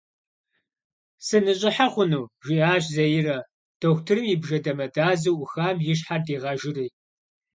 «Сыныщӏыхьэ хъуну?» жиӏащ Заирэ, дохутырым и бжэ дамэдазэу ӏухам и щхьэр дигъэжыри.